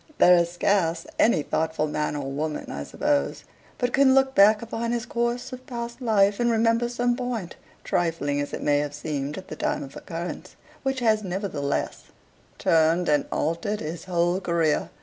There is scarce any thoughtful man or woman, I suppose, but can look back upon his course of past life, and remember some point, trifling as it may have seemed at the time of occurrence, which has nevertheless turned and altered his whole career.